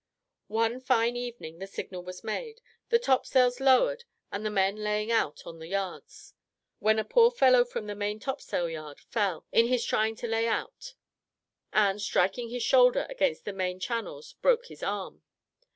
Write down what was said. One fine evening the signal was made, the topsails lowered and the men laying out on the yards, when a poor fellow from the main topsail yard fell, in his trying to lay out; and, striking his shoulder against the main channels, broke his arm.